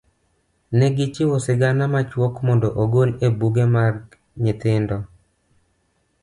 ne gichiwo sigana machuok mondo ogol e buge mag nyithindo.